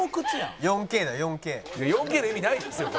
「４Ｋの意味ないですよ